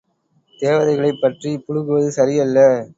தேவதைகளைப் பற்றிப் புளுகுவது சரியல்ல!